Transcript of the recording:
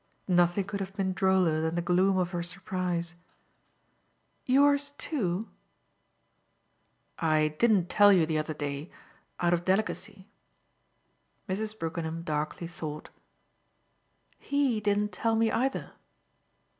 Nothing could have been droller than the gloom of her surprise. "Yours too?" "I didn't tell you the other day out of delicacy." Mrs. Brookenham darkly thought. "HE didn't tell me either."